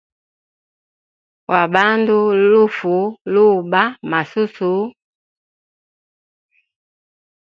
Wa bandu, lufu, luba, masusu.